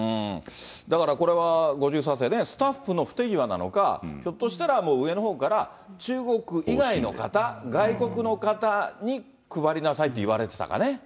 だからこれは、５３世ね、スタッフの不手際なのか、ひょっとしたら、もう上のほうから中国以外の方、外国の方に配りなさいって言われてたかね。